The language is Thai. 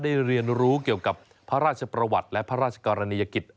เรียนรู้เกี่ยวกับพระราชประวัติและพระราชกรณียกิจ